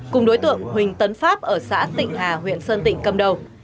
cùng đối tượng huỳnh tấn pháp ở xã tịnh hà huyện sơn tịnh cầm đầu